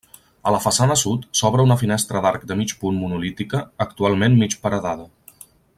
A la façana sud, s'obre una finestra d'arc de mig punt monolítica, actualment mig paredada.